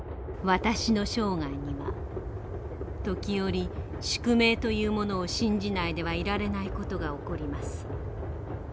「私の生涯には時折宿命というものを信じないではいられない事が起こります。